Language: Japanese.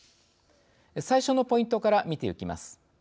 最初のポイントから見てゆきます。